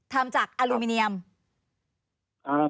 ทำจากอลูมิเนียม